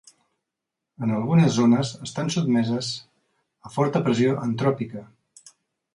En algunes zones estan sotmeses a forta pressió antròpica.